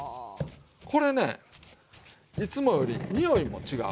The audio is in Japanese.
これねいつもよりにおいも違う。